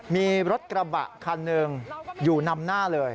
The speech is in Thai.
มีรถกระบะคันหนึ่งอยู่นำหน้าเลย